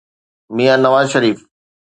ميان Nawaz شريف.